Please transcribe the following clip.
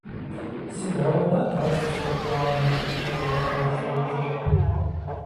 Сыбгъэунат, ар къысхуэпщӀамэ, - къэгуфӀэжащ дыгъужьыр.